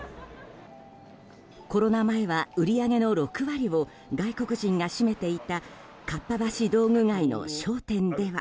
コロナ前は売り上げの６割を外国人が占めていたかっぱ橋道具街の商店では。